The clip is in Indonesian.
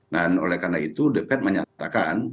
dan oleh karena itu the fed menyatakan